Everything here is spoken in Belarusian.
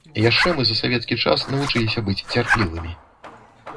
Яшчэ мы за савецкі час навучыліся быць цярплівымі.